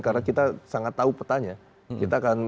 karena kita sangat tahu petanya